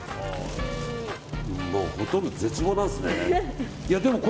もうほとんど絶望なんですね。